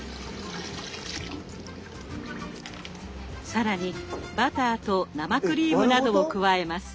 更にバターと生クリームなどを加えます。